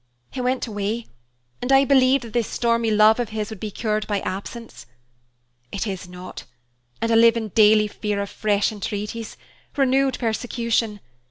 He went away, and I believed that this stormy love of his would be cured by absence. It is not, and I live in daily fear of fresh entreaties, renewed persecution.